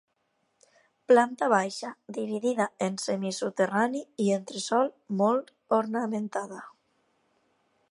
Planta baixa, dividida en semisoterrani i entresòl, molt ornamentada.